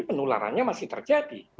jadi penularannya masih terjadi